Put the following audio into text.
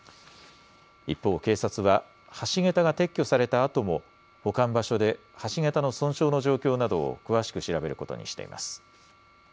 一方、警察は橋桁が撤去されたあとも保管場所で橋桁の損傷の状況などを詳しく調べることにしています。